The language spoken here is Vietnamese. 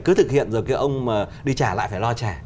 cứ thực hiện rồi ông đi trả lại phải lo trả